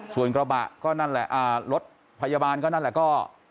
ส่วนกระบะก็นั่นแหละรถพยาบาลก็นั่นแหละก็